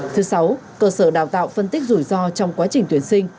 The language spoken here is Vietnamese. thứ sáu cơ sở đào tạo phân tích rủi ro trong quá trình tuyển sinh